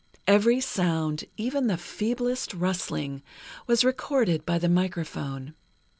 Every sound, even the feeblest rustling, was recorded by the microphone.